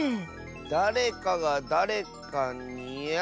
だれかがだれかにあ！